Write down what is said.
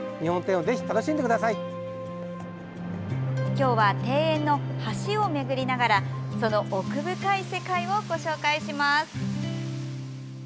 今日は庭園の橋を巡りながらその奥深い世界をご紹介します。